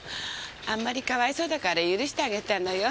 あんまり可哀想だから許してあげたのよ。